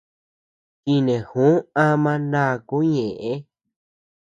Chineju ama ndakuu ñeʼe.